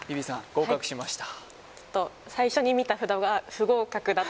合格しました